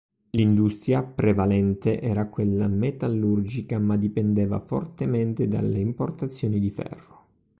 L'industria prevalente era quella metallurgica, ma dipendeva fortemente dalle importazioni di ferro.